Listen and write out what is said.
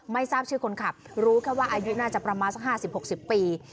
ไม่ทราบชื่อคนขับรู้แค่ว่าอายุน่าจะประมาณสัก๕๐๖๐ปี